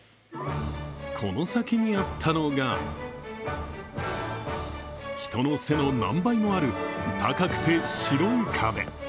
この先にあったのが人の背の何倍もある高くて白い壁。